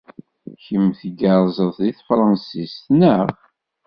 Kemm tgerrzeḍ deg tefṛensist, naɣ?